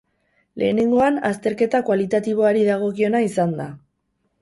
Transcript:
Lehenengoan azterketa kualitatiboari dagokiona izan da.